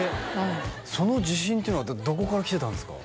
その自信っていうのはどこからきてたんですか？